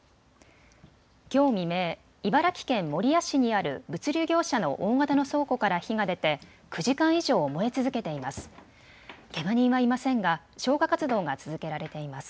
きょう未明、茨城県守谷市にある物流業者の大型の倉庫から火が出て９時間以上、燃え続けています。